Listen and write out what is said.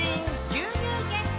「牛乳ゲット！」